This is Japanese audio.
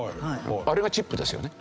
あれがチップですよね。